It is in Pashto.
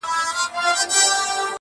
او غمجن غږ خپروي تل،